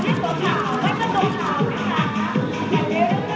แล้วก็เริ่มแสดงวอมเยื่อยเลยค่ะ